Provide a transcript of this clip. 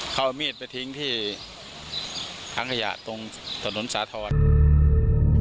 เขามีดไปทิ้งที่ทางขยะตรงสนุนสาธรรม